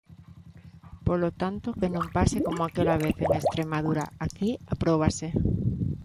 Polo tanto, que non pase como aquela vez en Estremadura, aquí apróbase.